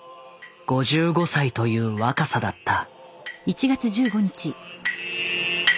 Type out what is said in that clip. ５５歳という若さだった。